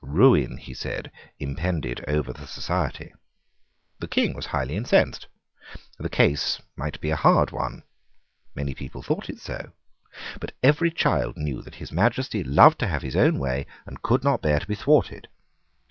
Ruin, he said, impended over the society. The King was highly incensed. The case might be a hard one. Most people thought it so. But every child knew that His Majesty loved to have his own way and could not bear to be thwarted.